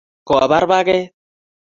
Kobar paket